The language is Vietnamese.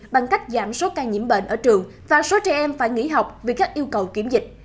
bằng cách giảm số ca nhiễm bệnh ở trường và số trẻ em phải nghỉ học vì các yêu cầu kiểm dịch